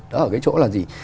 đó ở cái chỗ là gì